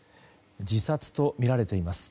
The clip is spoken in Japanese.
自殺とみられています。